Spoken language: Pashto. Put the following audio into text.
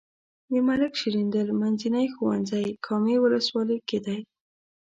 د ملک شیریندل منځنی ښوونځی کامې ولسوالۍ کې دی.